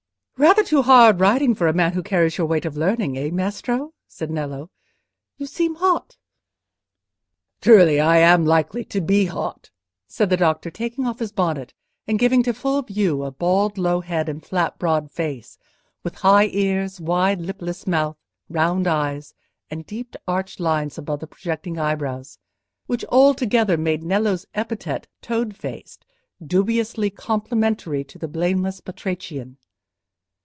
"Rather too hard riding for a man who carries your weight of learning: eh, Maestro?" said Nello. "You seem hot." "Truly, I am likely to be hot," said the doctor, taking off his bonnet, and giving to full view a bald low head and flat broad face, with high ears, wide lipless mouth, round eyes, and deep arched lines above the projecting eyebrows, which altogether made Nello's epithet "toad faced" dubiously complimentary to the blameless batrachian.